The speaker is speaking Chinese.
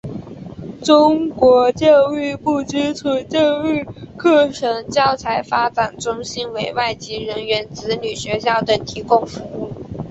中国教育部基础教育课程教材发展中心为外籍人员子女学校等提供服务。